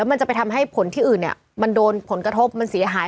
มันจะไปทำให้ผลที่อื่นเนี่ยมันโดนผลกระทบมันเสียหาย